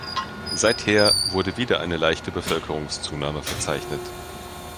Seither wurde wieder eine leichte Bevölkerungszunahme verzeichnet.